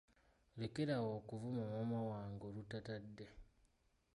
Lekera awo okuvuma maama wange olutatadde.